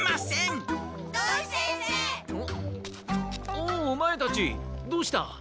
おおオマエたちどうした？